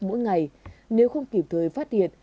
mỗi ngày nếu không kịp thời phát hiện